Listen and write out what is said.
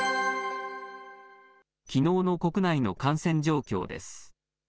きのうの国内の感染状況です。